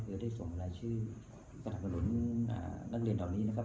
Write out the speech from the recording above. คือได้ส่งรายชื่อกระถานกระหนุนนักเรียนตรงนี้นะครับ